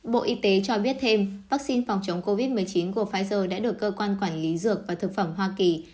bộ y tế cho biết thêm vaccine phòng chống covid một mươi chín của pfizer đã được cơ quan quản lý dược và thực phẩm hoa kỳ